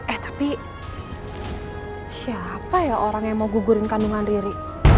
eh tapi siapa ya orang yang mau gugurin kandungan diri